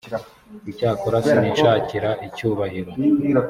icyakora sinishakira icyubahiro